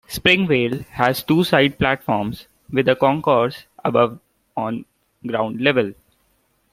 Springvale has two side platforms, with a concourse above on ground level.